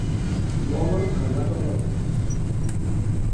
L'home ha anat al lavabo.